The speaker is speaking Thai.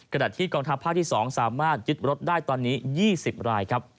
ที่กองทัพภาคที่๒สามารถยึดรถได้ตอนนี้๒๐รายครับ